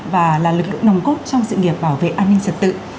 và là lực lượng nồng cốt trong sự nghiệp bảo vệ an ninh trật tự